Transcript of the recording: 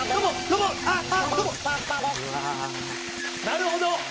なるほど！